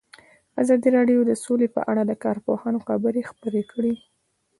ازادي راډیو د سوله په اړه د کارپوهانو خبرې خپرې کړي.